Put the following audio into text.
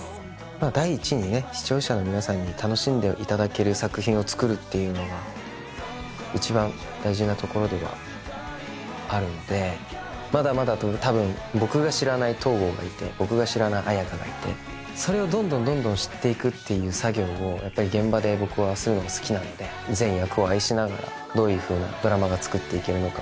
第一にね視聴者の皆さんに楽しんでいただける作品をつくるっていうのが一番大事なところではあるのでまだまだたぶん僕が知らない東郷がいて僕が知らない綾華がいてそれをどんどんどんどん知っていくっていう作業をやっぱり現場で僕はするのが好きなので全役を愛しながらどういうふうなドラマがつくっていけるのかをね